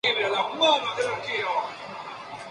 Jugó al fútbol, natación y levantamiento de potencia.